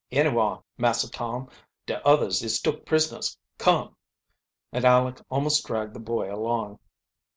"Anywhar, Massah Tom. De others is took prisoners! Come!" And Aleck almost dragged the boy along.